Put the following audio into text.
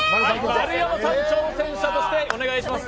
丸山さん、挑戦者としてお願いします。